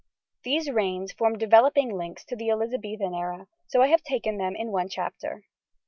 These reigns form developing links to the Elizabethan era, so I have taken them in one chapter.